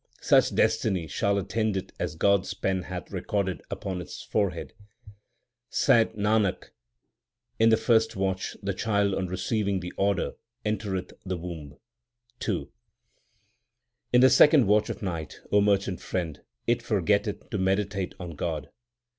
Such destiny shall attend it as God s pen hath recorded upon its forehead. Saith Nanak, in the first watch the child on receiving the order entereth the womb. II In the second watch of night, O merchant friend, it for getteth to meditate on God.